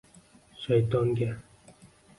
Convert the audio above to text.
«shayton»ga